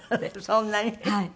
そんなに？